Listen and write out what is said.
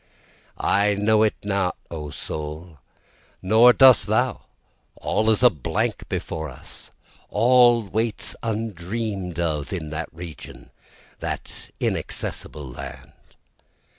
I know it not O soul, Nor dost thou, all is a blank before us, All waits undream'd of in that region, that inaccessible land.